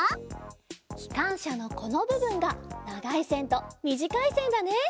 きかんしゃのこのぶぶんがながいせんとみじかいせんだね。